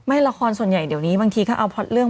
ละครส่วนใหญ่เดี๋ยวนี้บางทีก็เอาพล็อตเรื่อง